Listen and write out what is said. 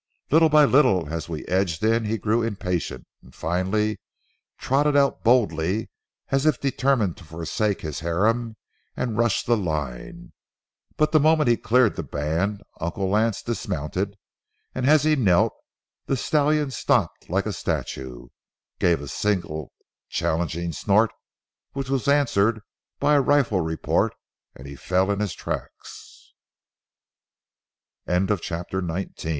Little by little as we edged in he grew impatient, and finally trotted out boldly as if determined to forsake his harem and rush the line. But the moment he cleared the band Uncle Lance dismounted, and as he knelt the stallion stopped like a statue, gave a single challenging snort, which was answered by a rifl